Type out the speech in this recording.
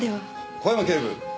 小山警部。